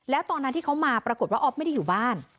แล้วตอนนั้นที่เขามาปรากฏว่าอ๊อฟไม่ได้อยู่บ้าน